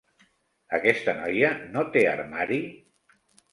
Aquesta noia no té armari?